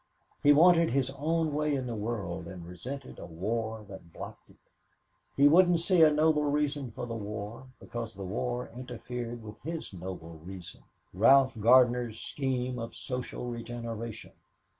He wanted his own way in the world and resented a war that blocked it. He wouldn't see a noble reason for the war because the war interfered with his noble reason Ralph Gardner's scheme of social regeneration.